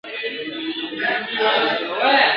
ځیني وي چي یې په سر کي بغاوت وي ,